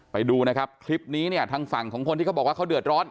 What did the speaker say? ไปดูนะครับคลิปนี้เนี่ยทางฝั่งของคนที่เขาบอกว่าเขาเดือดร้อน